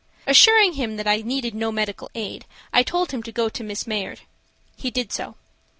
Assuring him that I needed no medical aid, I told him to go to Miss Mayard. He did so.